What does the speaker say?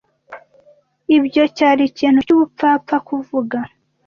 Ibyo cyari ikintu cyubupfapfa kuvuga.